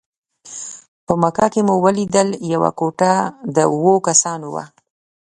په مکه کې مو ولیدل یوه کوټه د اوو کسانو وه.